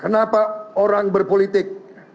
kenapa orang berpolitik